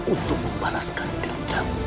untuk membalaskan tihamu